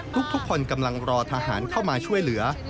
ทุกคนกำลังรอทหารเข้ามาช่วยเหลือ